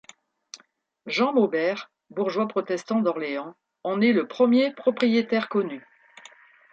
Jean Maubert, bourgeois protestant d'Orléans, en est le premier propriétaire connu.